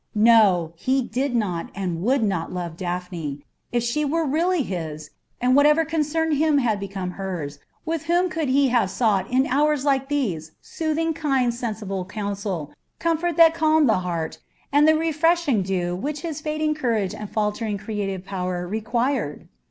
No! He did not and would not love Daphne. If she were really his, and whatever concerned him had become hers, with whom could he have sought in hours like these soothing, kind, and sensible counsel, comfort that calmed the heart, and the refreshing dew which his fading courage and faltering creative power required?